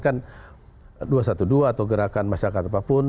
dan saling menghormatikan dua ratus dua belas atau gerakan masyarakat apapun